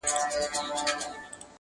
چي لاپي مو د تورو او جرګو ورته کولې!.